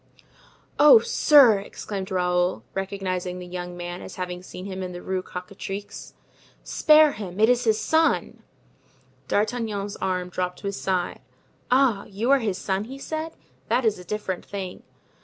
"Oh, sir!" exclaimed Raoul, recognizing the young man as having seen him in the Rue Cocatrix, "spare him! it is his son!" D'Artagnan's arm dropped to his side. "Ah, you are his son!" he said; "that is a different thing."